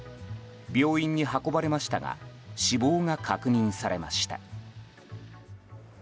病院に運ばれましたが死亡が確認されました。